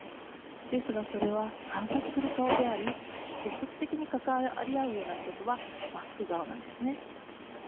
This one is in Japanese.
ですがそれは観察する顔であり積極的に関わり合うような人とはマスク顔なんですね。